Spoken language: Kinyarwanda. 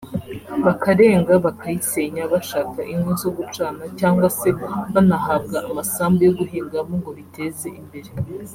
bakarenga bakayisenya bashaka inkwi zo gucana cyangwa se banahabwa amasambu yo guhingamo ngo biteze imbere